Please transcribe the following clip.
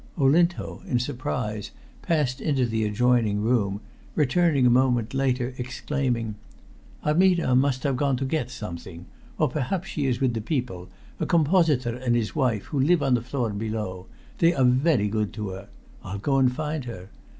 Olinto, in surprise, passed into the adjoining room, returning a moment later, exclaiming "Armida must have gone out to get something. Or perhaps she is with the people, a compositor and his wife, who live on the floor below. They are very good to her. I'll go and find her.